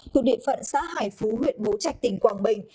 thuộc địa phận xã hải phú huyện bố trạch tỉnh quảng bình